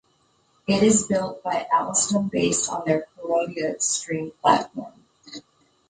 It is built by Alstom based on their Coradia Stream platform.